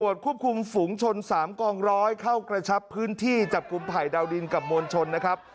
ควบคุมฝุงชน๓กองร้อยเข้ากระชับพื้นที่จับกลุ่มไผ่ดาวดินกับมวลชนนะครับ